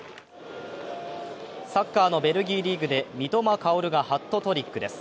サッカーのベルギーリーグで三笘薫がハットトリックです。